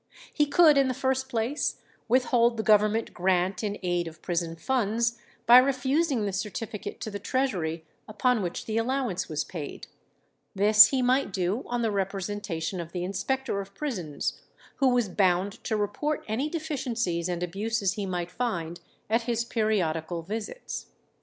He could in the first place withhold the government grant in aid of prison funds by refusing the certificate to the Treasury upon which the allowance was paid. This he might do on the representation of the inspector of prisons, who was bound to report any deficiencies and abuses he might find at his periodical visits.